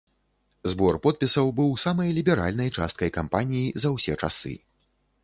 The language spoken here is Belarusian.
Збор подпісаў быў самай ліберальнай часткай кампаніі за ўсе часы.